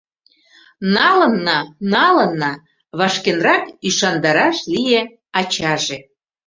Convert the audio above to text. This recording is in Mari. — Налынна, налынна, — вашкенрак ӱшандараш лие ачаже.